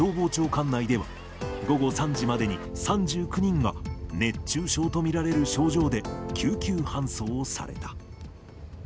管内では、午後３時までに３９人が、熱中症と見られる症状で救急搬送された。